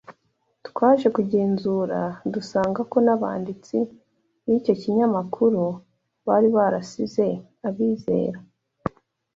Twaje kugenzura dusanga ko n’abanditsi b’icyo kinyamakuru bari barasize abizera